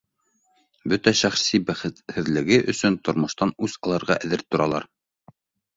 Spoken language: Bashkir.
Бөтә шәхси бәхетһеҙлеге өсөн тормоштан үс алырға әҙер торалар